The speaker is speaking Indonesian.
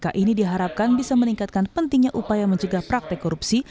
kpk ini diharapkan bisa meningkatkan pentingnya upaya mencegah praktek korupsi